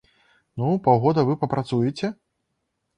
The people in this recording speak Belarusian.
Ну, паўгода вы прапрацуеце?